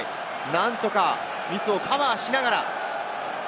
なんとかミスをカバーをしながら。